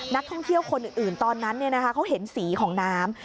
นักท่องเที่ยวคนอื่นตอนนั้นเขาเห็นสีของน้ำ